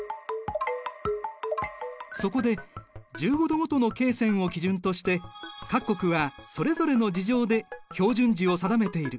そこで１５度ごとの経線を基準として各国はそれぞれの事情で標準時を定めている。